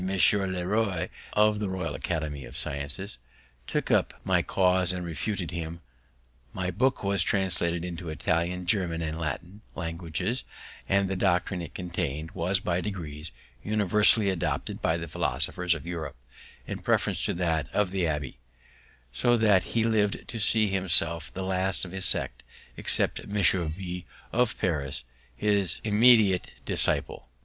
le Roy, of the Royal Academy of Sciences, took up my cause and refuted him; my book was translated into the Italian, German, and Latin languages; and the doctrine it contain'd was by degrees universally adopted by the philosophers of Europe, in preference to that of the abbé; so that he lived to see himself the last of his sect, except Monsieur B , of Paris, his élève and immediate disciple.